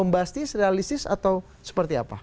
masuk akal bombastis realistis atau seperti apa